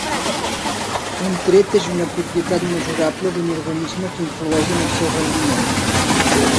Un tret és una propietat mesurable d'un organisme que influeix en el seu rendiment.